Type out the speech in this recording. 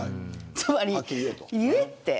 つまり、言えって。